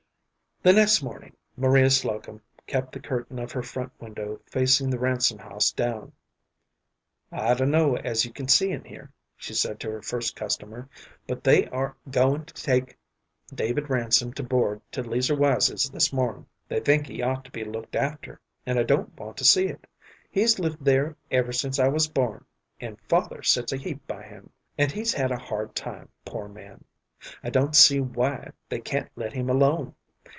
The next morning Maria Slocum kept the curtain of her front window facing the Ransom house down. "I dun'no' as you can see in here," she said to her first customer, "but they are goin' to take David Ransom to board to 'Leazer Wise's this mornin'; they think he ought to be looked after, and I don't want to see it. He's lived there ever since I was born, and father sets a heap by him, and he's had a hard time, poor man. I don't see why they can't let him alone.